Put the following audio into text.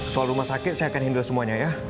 soal rumah sakit saya akan hindel semuanya ya